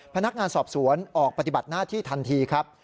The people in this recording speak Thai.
พนักงานสอบสวนออกปฏิบัติหน้าที่ทันทีครับ